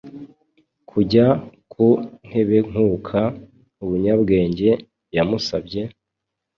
Kujya ku ntebenkuko umunyabwenge yamusabye